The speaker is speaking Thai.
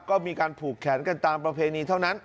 ก็มีการผูกแขนกันตามประเพณีเท่านั้น